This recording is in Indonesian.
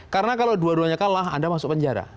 karena kalau dua duanya kalah anda masuk penjara